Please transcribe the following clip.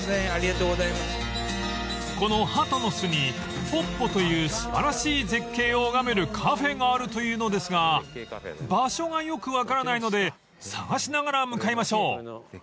［この鳩の巣にぽっぽという素晴らしい絶景を拝めるカフェがあるというのですが場所がよく分からないので探しながら向かいましょう］